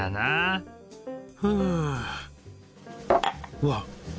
うわっ。